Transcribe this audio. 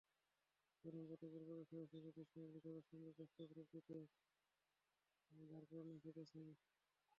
চরম প্রতিকূল পরিবেশে সহিষ্ণুতার দৃশ্যগুলোকে যথাসম্ভব বাস্তব রূপ দিতে যারপরনাই খেটেছেন ডিক্যাপ্রিও।